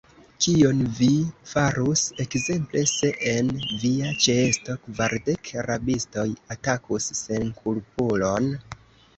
Kion vi farus, ekzemple, se en via ĉeesto kvardek rabistoj atakus senkulpulon?